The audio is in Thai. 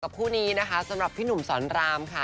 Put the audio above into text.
คู่นี้นะคะสำหรับพี่หนุ่มสอนรามค่ะ